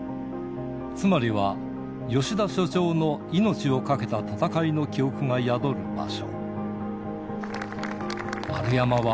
つまりは、吉田所長の命を懸けた戦いの記憶が宿る場所。